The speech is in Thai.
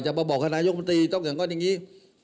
จะบอกคณะยกมตรีต้องอย่างก็อย่างงี้